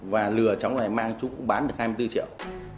và lừa cháu này mang chú cũng bán được hai mươi bốn triệu